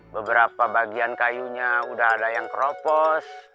beberapa bagian kayunya udah ada yang keropos